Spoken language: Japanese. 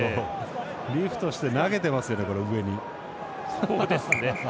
リフトして投げてますよ、上に。